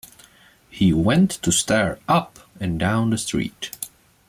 He went to stare up and down the street.